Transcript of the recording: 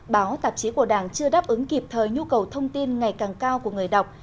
báo tạp chí của đảng chưa đáp ứng kịp thời nhu cầu thông tin ngày càng cao của người đọc